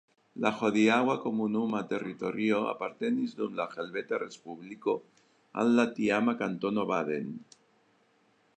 La hodiaŭa komunuma teritorio apartenis dum la Helveta Respubliko al la tiama Kantono Baden.